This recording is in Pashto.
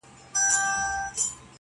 پر سوځېدلو ونو؛